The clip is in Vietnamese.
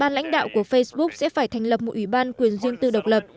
ba lãnh đạo của facebook sẽ phải thành lập một ủy ban quyền riêng tư độc lập